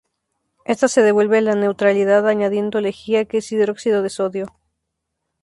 Ésta se devuelve a la neutralidad añadiendo lejía, que es hidróxido de sodio.